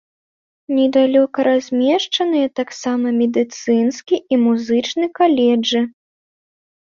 Недалёка размешчаныя таксама медыцынскі і музычны каледжы.